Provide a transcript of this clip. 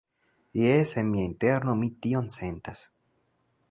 Jes, en mia interno mi tion sentas.